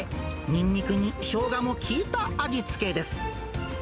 ニンニクにショウガも効いた味付けです。